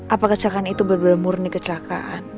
apakah kecelakaan itu benar benar murni kecelakaan